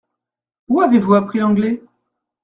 Où avez-vous appris l’anglais ?